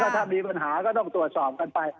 ถ้ามีปัญหาก็ต้องตรวจสอบกันไป